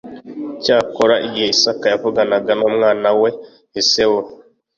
icyakora igihe isaka yavuganaga n umwana we esawu